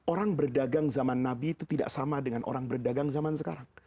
orang berdagang zaman nabi itu tidak sama dengan orang berdagang zaman sekarang